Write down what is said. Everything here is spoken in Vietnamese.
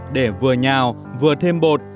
để vừa nhào vừa thêm bột